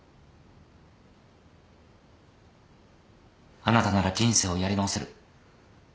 あなたなら人生をやり直せる。